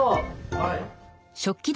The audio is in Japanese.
はい。